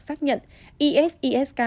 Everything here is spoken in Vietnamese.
xác nhận isis k